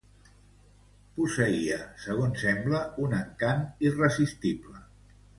Posseïa, segons sembla, un encant irresistible.